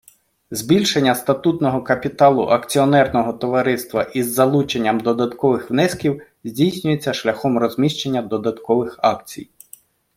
Збільшення статутного капіталу акціонерного товариства із залученням додаткових внесків здійснюється шляхом розміщення додаткових акцій.